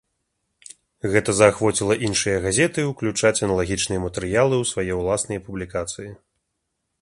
Гэта заахвоціла іншыя газеты ўключаць аналагічныя матэрыялы ў свае ўласныя публікацыі.